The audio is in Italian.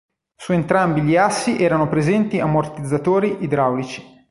Su entrambi gli assi erano presenti ammortizzatori idraulici.